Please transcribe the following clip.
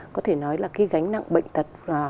có thể nói là cái gánh nặng bệnh tật